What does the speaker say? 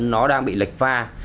nó đang bị lệch pha